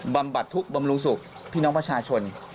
บำบัดทุกข์บำรุงสุขพี่น้องประชาชน